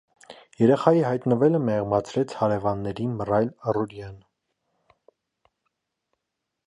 Երեխայի հայտնվելը մեղմացրեց հարևանների մռայլ առօրյան։